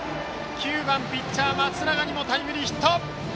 ９番ピッチャー、松永にもタイムリーヒット！